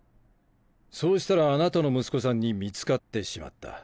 そうしたらあなたの息子さんに見つかってしまった。